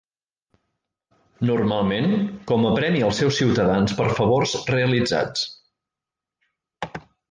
Normalment, com a premi als seus ciutadans per favors realitzats.